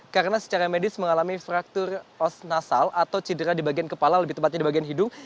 karena secara medis mengalami fraktur os nasal atau cedera di bagian kepala lebih tepatnya di bagian hidung